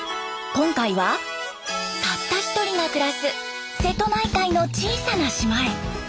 今回はたった１人が暮らす瀬戸内海の小さな島へ。